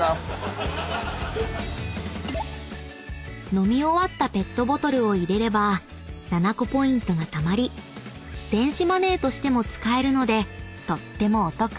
［飲み終わったペットボトルを入れればｎａｎａｃｏポイントがたまり電子マネーとしても使えるのでとってもお得］